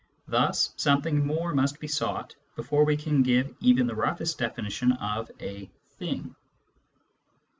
1 hul sometnmg more must be sought before we can give even the roughest definition of a " thing."